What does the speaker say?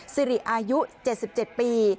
สิริอายุ๗๗ปี